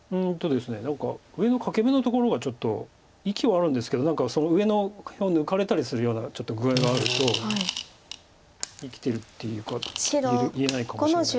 何か上の欠け眼のところがちょっと生きはあるんですけど上の辺を抜かれたりするようなちょっと具合があると生きてるって言えないかもしれないので。